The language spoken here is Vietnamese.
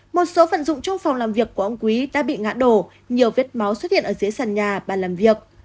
một số vận dụng trong phòng làm việc của ông quý đã bị ngã đổ nhiều vết máu xuất hiện ở dưới sàn nhà bà làm việc